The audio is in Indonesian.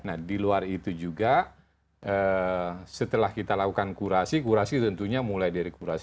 nah di luar itu juga setelah kita lakukan kurasi kurasi tentunya mulai dari kurasi